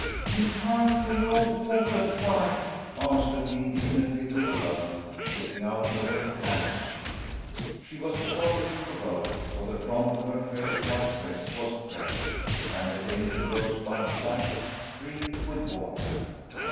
"In time fo' yoah watah fight," answered the indignant Little Colonel, shaking out her wet handkerchief. She was thoroughly provoked, for the front of her fresh white dress was drenched, and the dainty rosebud sash streaked with water.